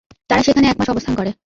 তারা সেখানে এক মাস অবস্থান করে।